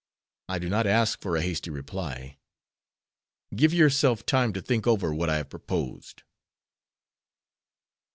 I do not ask for a hasty reply. Give yourself time to think over what I have proposed."